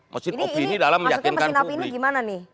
maksudnya mesin opini gimana nih